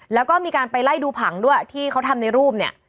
แล้วก็มีการไปไล่ดูผังด้วยที่เขาทำในรูปเนี่ย